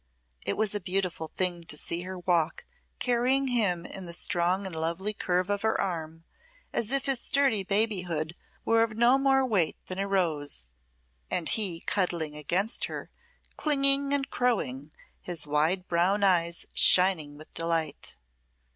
It was a beautiful thing to see her walk carrying him in the strong and lovely curve of her arm as if his sturdy babyhood were of no more weight than a rose, and he cuddling against her, clinging and crowing, his wide brown eyes shining with delight.